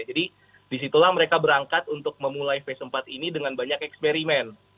disitulah mereka berangkat untuk memulai face empat ini dengan banyak eksperimen